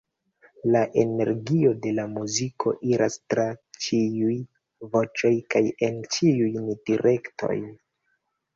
La energio de la muziko iras tra ĉiuj voĉoj kaj en ĉiujn direktojn.